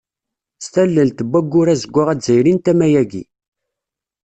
S tallelt n Waggur azeggaɣ azzayri n tama-agi.